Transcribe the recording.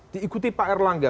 diikuti pak erlangga